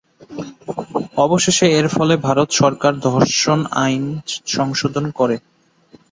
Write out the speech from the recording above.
অবশেষে এর ফলে ভারত সরকার ধর্ষণ আইন সংশোধন করে।